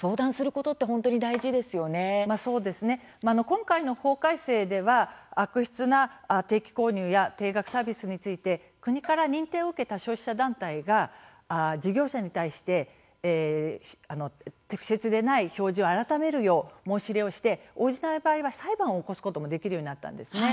今回の法改正では悪質な定期購入や定額サービスについて国から認定を受けた消費者団体が事業者に対して適切でない表示を改めるよう申し入れをして、応じない場合は裁判を起こすこともできるようになったんですね。